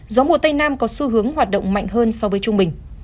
gió mùa tây nam có xu hướng hoạt động mạnh hơn so với trung bình